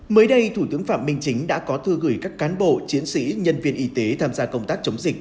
mới đây thủ tướng phạm minh chính đã có thư gửi các cán bộ chiến sĩ nhân viên y tế tham gia công tác chống dịch